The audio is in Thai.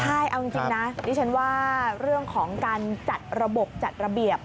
ใช่เอาจริงนะดิฉันว่าเรื่องของการจัดระบบจัดระเบียบ